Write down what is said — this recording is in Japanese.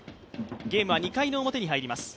ゲームは２回の表に入ります。